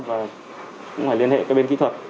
và cũng phải liên hệ với bên kỹ thuật